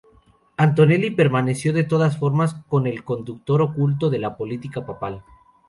Antonelli permaneció de todas formas como el conductor oculto de la política papal.